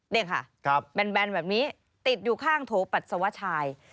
นี่ค่ะแบนแบบนี้ติดอยู่ข้างโถปัสสาวชาย